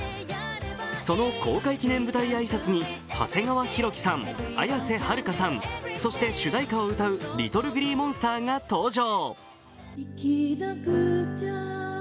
その公開記念舞台挨拶に長谷川博己さん、綾瀬はるかさんそして主題歌を歌うＬｉｔｔｌｅＧｌｅｅＭｏｎｓｔｅｒが登場。